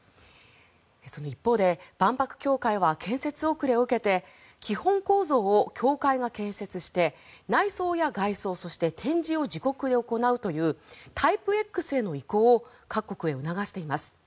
その一方で万博協会は建設遅れを受けて基本構造を協会が建設して内装や外装、そして展示を自国で行うというタイプＸへの移行を各国へ促しています。